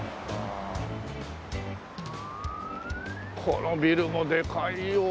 このビルもでかいよ。